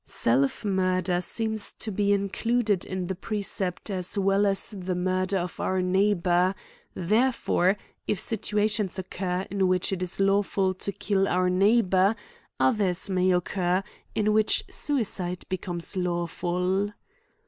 Self murder seems to be included in the precept as well as the murder of our neighbour : therefore, if situations occur, in which it is lawful to kill our neighbour, others may occur, in which suicide becomes lawful."